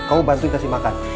kamu bantuin kasih makan